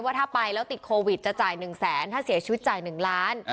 ว่าถ้าไปแล้วติดโควิดจะจ่ายหนึ่งแสนถ้าเสียชีวิตจ่ายหนึ่งล้าน